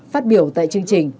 phát biểu tại chương trình